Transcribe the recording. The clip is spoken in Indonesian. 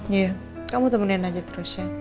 iya kamu temenin aja terus ya